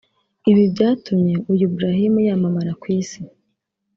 Ibi byatumye uyu Brahim yamamara ku isi